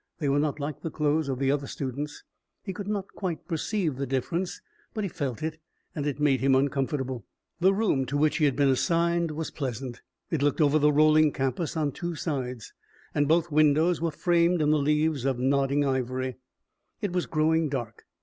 They were not like the clothes of the other students. He could not quite perceive the difference, but he felt it, and it made him uncomfortable. The room to which he had been assigned was pleasant. It looked over the rolling campus on two sides, and both windows were framed in the leaves of nodding ivy. It was growing dark.